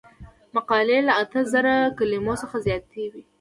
مقالې له اته زره کلمو څخه زیاتې وي.